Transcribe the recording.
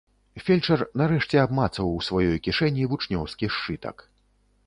Фельчар нарэшце абмацаў у сваёй кішэні вучнёўскі сшытак.